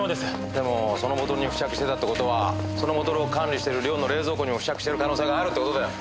でもそのボトルに付着してたって事はそのボトルを管理してる寮の冷蔵庫にも付着してる可能性があるって事だよ。